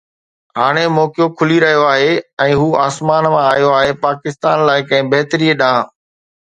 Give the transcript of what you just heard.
ھاڻي موقعو کُلي رھيو آھي، ۽ اھو آسمان مان آيو آھي، پاڪستان لاءِ ڪنھن بھتريءَ ڏانھن.